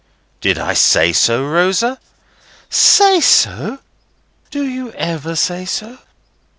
"Did I say so, Rosa?" "Say so! Do you ever say so?